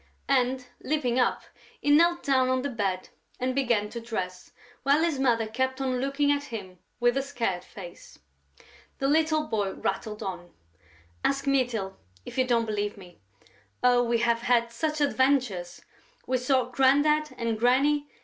And, leaping up, he knelt down on the bed and began to dress, while his mother kept on looking at him with a scared face. The little boy rattled on: "Ask Mytyl, if you don't believe me.... Oh, we have had such adventures!... We saw Grandad and Granny ...